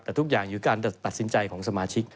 แต่ทุกอย่างอยู่การตัดสินใจของสมาชิก